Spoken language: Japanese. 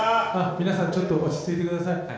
皆さん、ちょっと落ち着いてください。